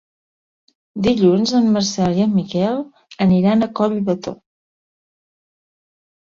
Dilluns en Marcel i en Miquel aniran a Collbató.